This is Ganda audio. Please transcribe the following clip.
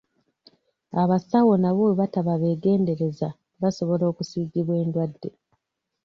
Abasawo nabo bwe bataba beegenderezza basobola okusiigibwa endwadde.